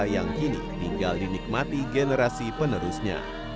yang kini tinggal dinikmati generasi penerusnya